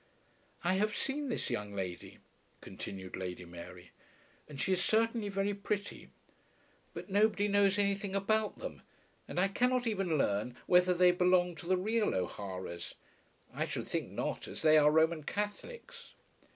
I have seen this young lady, continued Lady Mary, and she is certainly very pretty. But nobody knows anything about them; and I cannot even learn whether they belong to the real O'Haras. I should think not, as they are Roman Catholics.